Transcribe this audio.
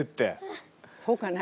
そうかな？